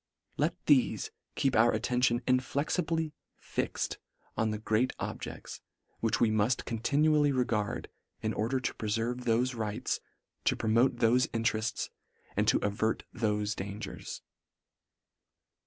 Let thefe keep our attention inflexibly fixed on the great objects, which we mull con tinually regard, in order to preferve thofe rights, to promote thofe interefts, and to avert thofe dangers.